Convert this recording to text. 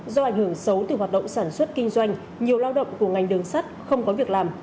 do ảnh hưởng xấu từ hoạt động sản xuất kinh doanh nhiều lao động của ngành đường sắt không có việc làm